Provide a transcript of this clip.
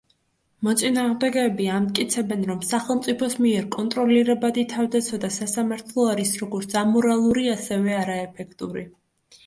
მოწინააღმდეგეები ამტკიცებენ რომ სახელმწიფოს მიერ კონტროლირებადი თავდაცვა და სასამართლო არის როგორც ამორალური, ასევე არაეფექტური.